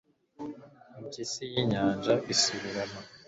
Impyisi yinyanja isubirana